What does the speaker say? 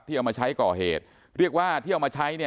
เอามาใช้ก่อเหตุเรียกว่าที่เอามาใช้เนี่ย